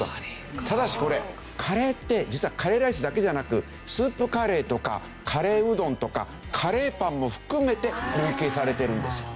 ただしこれカレーって実はカレーライスだけじゃなくスープカレーとかカレーうどんとかカレーパンも含めて累計されてるんですよ。